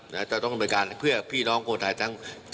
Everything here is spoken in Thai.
จะต้องดำเนินการเพื่อพี่น้องคนไทยทั้ง